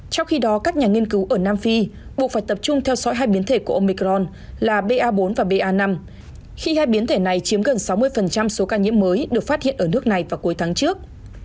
trong khi đó các nhà nghiên cứu ở nam phi buộc phải tập trung theo dõi hai biến thể của omicron là ba bốn và ba năm khi hai biến thể này chiếm gần sáu mươi số ca nhiễm mới được phát hiện ở nước này vào cuối tháng trước